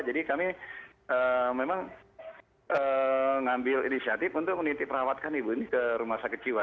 jadi kami memang mengambil inisiatif untuk menitip rawatkan ibu ini ke rumah sakit jiwa